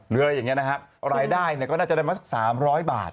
เรื่อยอย่างนี้รายได้ก็น่าจะได้๓๐๐บาท